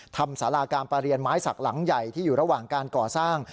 สาราการประเรียนไม้สักหลังใหญ่ที่อยู่ระหว่างการก่อสร้าง